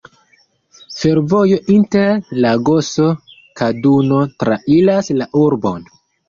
Fervojo inter Lagoso-Kaduno trairas la urbon.